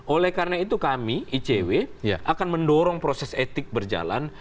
oleh karena itu kami icw akan mendorong proses etik berjalan